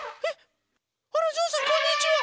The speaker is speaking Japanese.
あらぞうさんこんにちは。